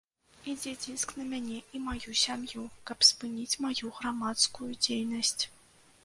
Ідзе ціск на мяне і маю сям'ю, каб спыніць маю грамадскую дзейнасць.